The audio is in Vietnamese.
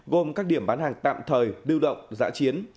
gồm các điểm bán hàng tạm thời lưu động giã chiến